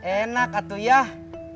enak atu yah